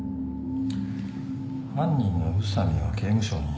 犯人の宇佐美は刑務所にいる。